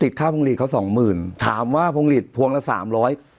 ติดค่าพงฤษเขาสองหมื่นถามว่าพงฤษพวงละสามร้อย